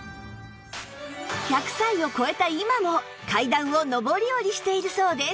１００歳を超えた今も階段を上り下りしているそうです